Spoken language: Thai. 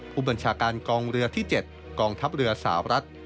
ผู้บัญชาการกองเรือที่๗กองทัพเรือสาวรัฐ